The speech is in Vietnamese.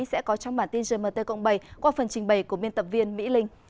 các tin tức quốc tế đáng chú ý sẽ có trong bản tin gmt cộng bảy qua phần trình bày của biên tập viên mỹ linh